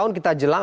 di mana kita jelang